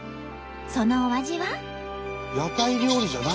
そのお味は。